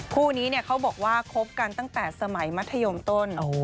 คู่นี้เขาบอกว่าคบกันตั้งแต่สมัยมัธยมต้น